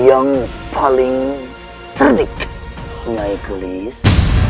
yang paling terdik nyai gulis